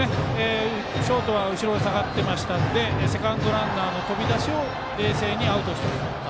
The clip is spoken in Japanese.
ショートは後ろに下がってましたのでセカンドランナーの飛び出しを冷静にアウトを１つとった。